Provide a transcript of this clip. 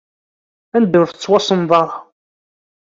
Anda ur tettwasenḍ ara.